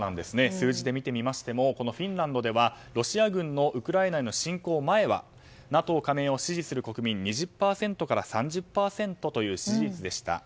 数字で見てみましてもこのフィンランドではロシア軍のウクライナへの侵攻前はＮＡＴＯ加盟を支持する国民２０％から３０％という支持率でした。